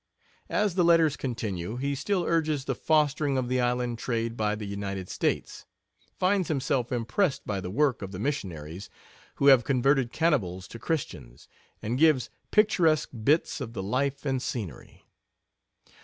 As the letters continue, he still urges the fostering of the island trade by the United States, finds himself impressed by the work of the missionaries, who have converted cannibals to Christians, and gives picturesque bits of the life and scenery.